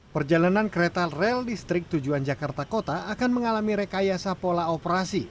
perjalanan kereta rel listrik tujuan jakarta kota akan mengalami rekayasa pola operasi